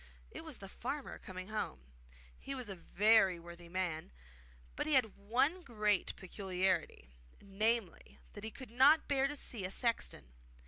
It was the farmer coming home. He was a very worthy man; but he had one great peculiarity namely, that he could not bear to see a sexton.